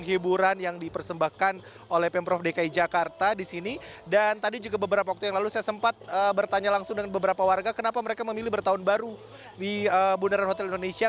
jadi ini adalah pembahasan yang dipersembahkan oleh pemprov dki jakarta di sini dan tadi juga beberapa waktu yang lalu saya sempat bertanya langsung dengan beberapa warga kenapa mereka memilih bertahun baru di bundaran hotel indonesia